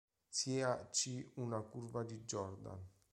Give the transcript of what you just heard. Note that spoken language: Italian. Sia "C" una curva di Jordan.